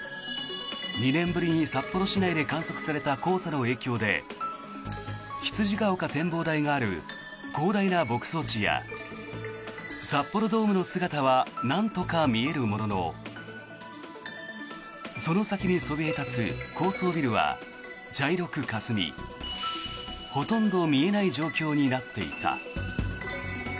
２年ぶりに札幌市内で観測された黄砂の影響で羊ヶ丘展望台がある広大な牧草地や札幌ドームの姿はなんとか見えるもののその先にそびえ立つ高層ビルは茶色くかすみほとんど見えない状況になっていた。